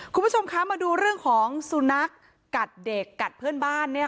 คุณผู้ชมคะมาดูเรื่องของสุนัขกัดเด็กกัดเพื่อนบ้าน